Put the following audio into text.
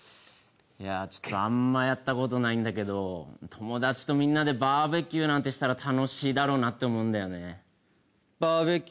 いやちょっとあんまやったことないんだけど友達とみんなでバーベキューなんてしたら楽しいだろうなって思うんだよね。